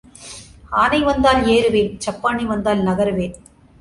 ஆனை வந்தால் ஏறுவேன் சப்பாணி வந்தால் நகருவேன்.